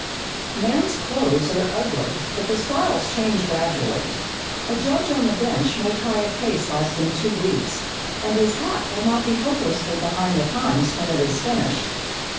Man's clothes are ugly, but the styles change gradually. A judge on the bench may try a case lasting two weeks, and his hat will not be hopelessly behind the times when it is finished.